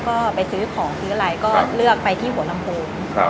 ก็ไปซื้อของซื้ออะไรก็เลือกไปที่หัวลำโพง